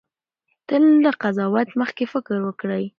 تل له قضاوت مخکې فکر وکړئ.